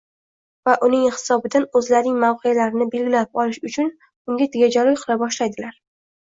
va uning hisobidan o‘zlarining mavqelarini belgilab olish uchun unga tegajog‘lik qila boshlaydilar.